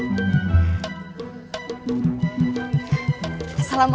waalaikumsalam kang lidoy